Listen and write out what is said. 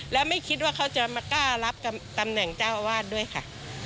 แล้วไม่คิดว่าเขาจะมากล้ารับตำแหน่งเจ้าอาวาสด้วยค่ะ